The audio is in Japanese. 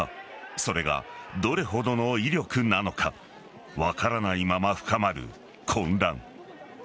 それが、どれほどの威力なのか分からないまま深まる混乱。